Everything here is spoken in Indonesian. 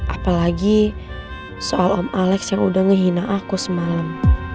apalagi soal om alex yang udah menghina aku semalam